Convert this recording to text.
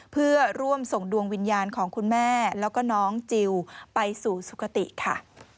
เพื่อร่วมส่งดวงวิญญาณของคุณแม่แล้วก็น้องจิลไปสู่สุขติค่ะ